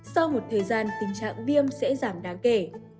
sau một thời gian tình trạng viêm sẽ giảm đáng kể